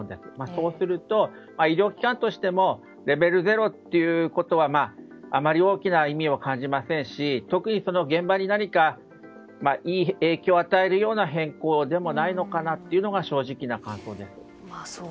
そうすると医療機関としてもレベル０というのはあまり大きな意味を感じませんし特に、現場に何かいい影響を与えるような変更でもないのかなというのが正直な感想です。